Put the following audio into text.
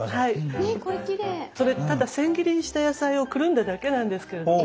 それただ千切りにした野菜をくるんだだけなんですけれども。